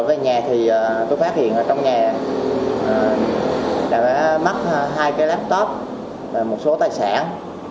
về nhà thì tôi phát hiện trong nhà đã mất hai cái laptop và một số tài sản